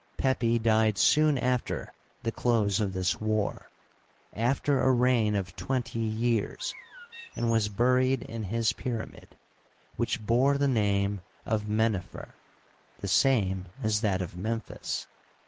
Pepi died soon after the close of this war, after a reig^ of twenty years, and was buried in his pyramid, which bore the name of Men nefer (the same as that of Memphis).